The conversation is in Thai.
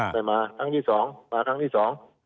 แต่มาครั้งที่สองมาครั้งที่สอง